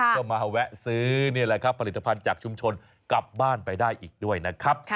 ก็มาแวะซื้อนี่แหละครับผลิตภัณฑ์จากชุมชนกลับบ้านไปได้อีกด้วยนะครับ